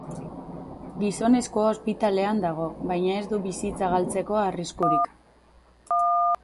Gizonezkoa ospitalean dago baina ez du bizitza galtzeko arriskurik.